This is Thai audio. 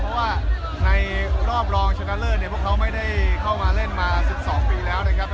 เพราะว่าในรอบรองชนะเลิศเนี่ยพวกเขาไม่ได้เข้ามาเล่นมา๑๒ปีแล้วนะครับ